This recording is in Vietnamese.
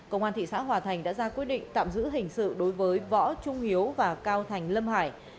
công an thị xã hòa thành đã ra quyết định tạm giữ hình sự đối với võ trung hiếu và cao thành lâm hải